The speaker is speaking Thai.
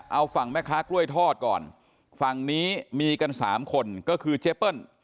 เอาฝั่งแม่ค้ากล้วยทอดก่อนฝั่งนี้มีกันสามคนก็คือเจเปิ้ล